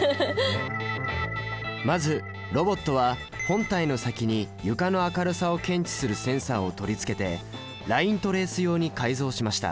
まずロボットは本体の先に床の明るさを検知するセンサを取り付けてライントレース用に改造しました。